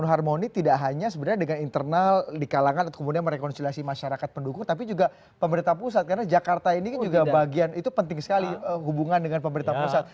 jadi tidak hanya sebenarnya dengan internal di kalangan atau kemudian merekonsiliasi masyarakat pendukung tapi juga pemerintah pusat karena jakarta ini juga bagian itu penting sekali hubungan dengan pemerintah pusat